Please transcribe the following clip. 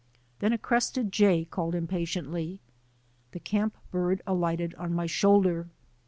Then a crested jay called impatiently. 'The camp bird alighted on my shoulder.